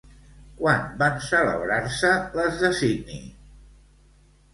Quan van celebrar-se les de Sydney?